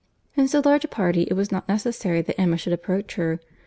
In so large a party it was not necessary that Emma should approach her.